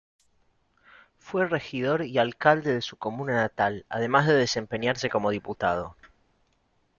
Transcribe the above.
Fue regidor y alcalde de su comuna natal, además de desempeñarse como diputado.